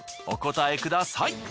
お答えください。